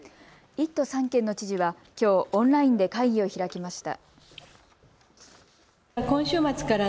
１都３県の知事は、きょうオンラインで会議を開きました。